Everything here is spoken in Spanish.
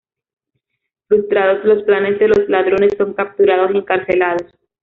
Frustrados los planes de los ladrones son capturados y encarcelados.